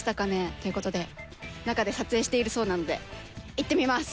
っていうことで中で撮影しているそうなので行ってみます。